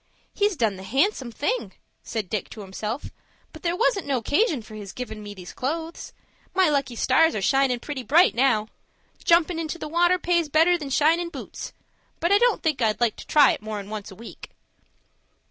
"He's done the handsome thing," said Dick to himself; "but there wasn't no 'casion for his givin' me these clothes. My lucky stars are shinin' pretty bright now. Jumpin' into the water pays better than shinin' boots; but I don't think I'd like to try it more'n once a week."